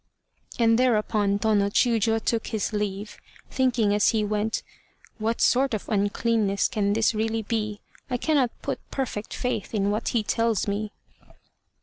And thereupon Tô no Chiûjiô took his leave, thinking as he went, "What sort of 'uncleanness' can this really be. I cannot put perfect faith in what he tells me."